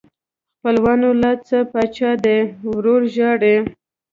خپلوانو لا څه پاچا دې ورور ژاړي.